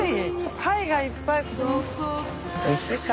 貝がいっぱい。